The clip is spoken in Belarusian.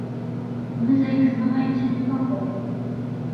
Мы за іх змагаемся для каго?